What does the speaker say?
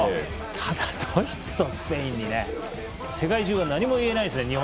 ただ、ドイツとスペインにね。何も言えないですね、日本。